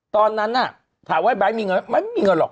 ตอนนั้นน่ะถามว่าไบท์มีเงินไม่มีเงินหรอก